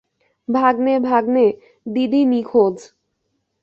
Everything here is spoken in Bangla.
ভাগ্নে, ভাগ্নে, দিদি নিখোঁজ!